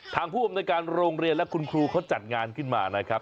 ผู้อำนวยการโรงเรียนและคุณครูเขาจัดงานขึ้นมานะครับ